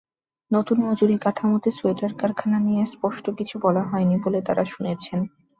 নতুন মজুরিকাঠামোতে সোয়েটার কারখানা নিয়ে স্পষ্ট কিছু বলা হয়নি বলে তাঁরা শুনেছেন।